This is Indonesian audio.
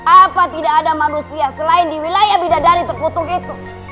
apa tidak ada manusia selain di wilayah bidadari terkutuk itu